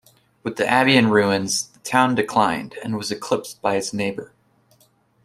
With the abbey in ruins, the town declined and was eclipsed by its neighbour.